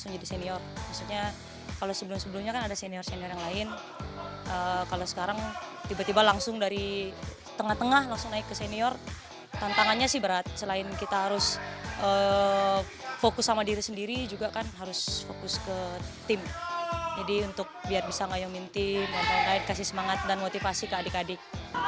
jadi untuk biar bisa ngayongin tim ngantai ngait kasih semangat dan motivasi ke adik adik